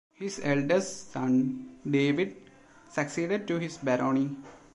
His eldest son, David, succeeded to his barony.